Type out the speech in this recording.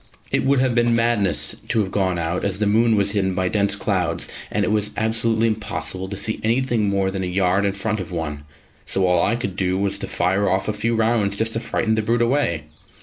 It would have been madness to have gone out, as the moon was hidden by dense clouds and it was absolutely impossible to see anything more than a yard in front of one; so all I could do was to fire off a few rounds just to frighten the brute away.